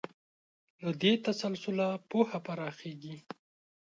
له دې تسلسله پوهه پراخېږي.